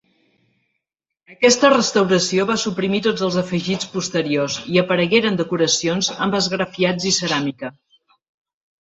Aquesta restauració va suprimir tots els afegits posteriors, i aparegueren decoracions amb esgrafiats i ceràmica.